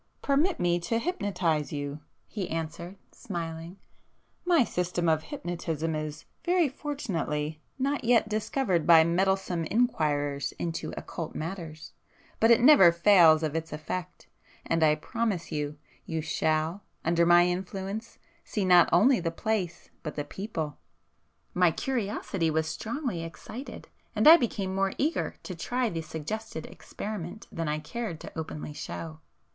"Permit me to hypnotize you,"—he answered smiling,—"My system of hypnotism is, very fortunately, not yet discovered by meddlesome inquirers into occult matters,—but it never fails of its effect,—and I promise you, you shall, under my influence, see not only the place, but the people." My curiosity was strongly excited, and I became more eager to try the suggested experiment than I cared to openly show.